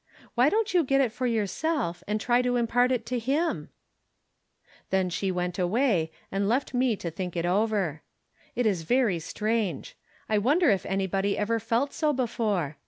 Why don't you get it for yourself, and try to impart it to him ?" Then she went away, and left me to think it oyer. It is very strange. I wonder if anybody ever felt so before